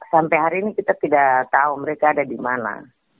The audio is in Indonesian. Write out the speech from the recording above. sampai hari ini kita tidak tahu mereka ada di mana